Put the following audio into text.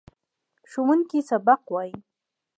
ښوونکی سبق وايي.